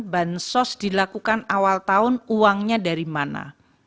bansos dilakukan awal tahun uangnya dari mana